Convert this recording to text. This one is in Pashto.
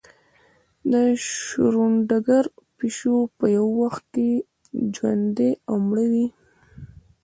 د شروډنګر پیشو په یو وخت کې ژوندۍ او مړه وي.